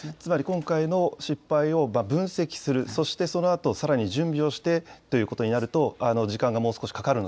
今回の失敗を分析する、そしてそのあと、さらに準備をしてということになると、時間がもそうですね。